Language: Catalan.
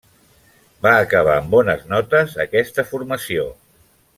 Va acabar amb bones notes aquesta formació.